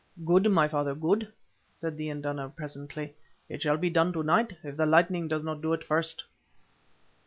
"Good, my father, good!" said the induna, presently. "It shall be done to night, if the lightning does not do it first."